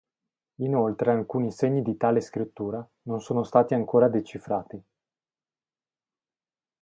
Inoltre alcuni segni di tale scrittura non sono stati ancora decifrati.